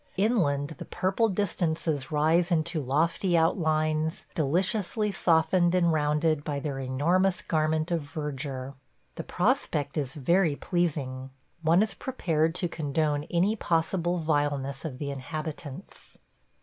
Inland the purple distances rise into lofty outlines deliciously softened and rounded by their enormous garment of verdure. The prospect is very pleasing. One is prepared to condone any possible vileness of the inhabitants.